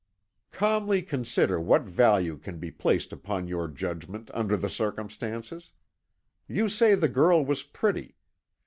"Calmly consider what value can be placed upon your judgment under the circumstances. You say the girl was pretty.